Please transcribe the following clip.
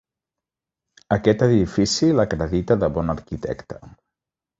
Aquest edifici l'acredita de bon arquitecte.